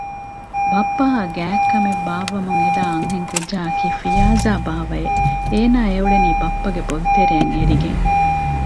ބައްޕައާ ގާތްކަމެއް ބާއްވަމުން އެދާ އަންހެން ކުއްޖާއަކީ ފިޔާޒާބާއެވެ! އޭނާ އެ އުޅެނީ ބައްޕަގެ ބޮލުތެރެއަށް އެރިގެން